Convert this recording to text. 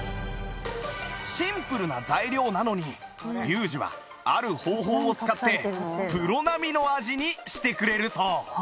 シンプルな材料なのにリュウジはある方法を使ってプロ並みの味にしてくれるそう